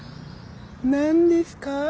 何ですか？